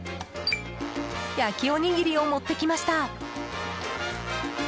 焼きおにぎりを持ってきました。